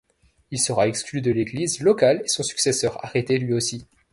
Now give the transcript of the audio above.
Il sera exclu de l'Église locale et son successeur arrêté lui-aussi.